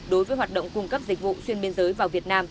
đối với hoạt động cung cấp dịch vụ xuyên biên giới vào việt nam